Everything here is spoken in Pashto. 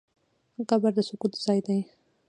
قبر د سکوت ځای دی.